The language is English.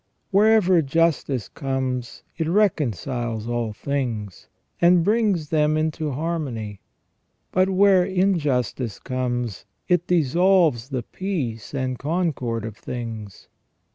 Wherever justice comes, it reconciles all things, and brings them into harmony ; but where injustice comes, it dissolves the peace and coricord of things.